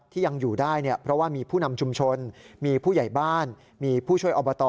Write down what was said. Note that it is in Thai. ที่ยังอยู่ได้เนี่ยเพราะว่ามีผู้นำชุมชนมีผู้ใหญ่บ้านมีผู้ช่วยอบต